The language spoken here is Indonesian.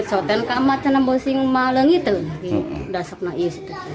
jadi kami berkata ya